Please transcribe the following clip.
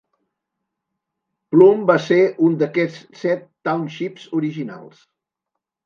Plum va ser un d'aquests set townships originals.